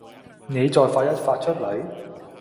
妳再發一發出嚟